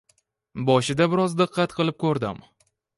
Boshida biroz diqqat qilib ko‘rdim.